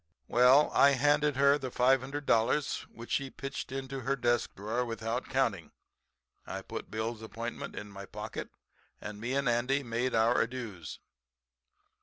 "Well, I handed her the $500, which she pitched into her desk drawer without counting. I put Bill's appointment in my pocket and me and Andy made our adieus.